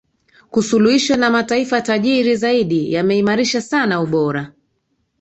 kusuluhishwa na mataifa tajiri zaidi yameimarisha sana ubora